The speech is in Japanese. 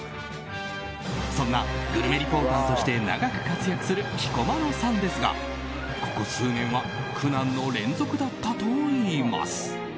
そんなグルメリポーターとして長く活躍する彦摩呂さんですがここ数年は苦難の連続だったといいます。